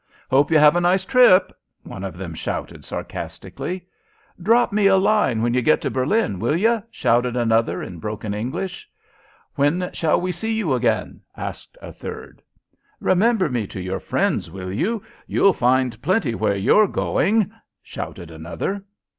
"Hope you have a nice trip!" one of them shouted, sarcastically. "Drop me a line when you get to Berlin, will you?" shouted another in broken English. "When shall we see you again?" asked a third. "Remember me to your friends, will you? You'll find plenty where you're going!" shouted another.